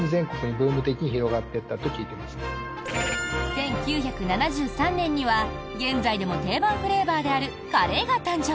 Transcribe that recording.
１９７３年には現在でも定番フレーバーであるカレーが誕生。